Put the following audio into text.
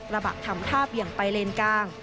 ระบะทำท่าเบี่ยงไปเลนกลาง